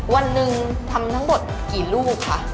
วันหนึ่งทำทั้งหมดกี่ลูกคะ